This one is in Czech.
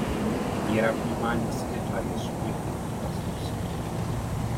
Míra vnímání světla je subjektivní vlastností.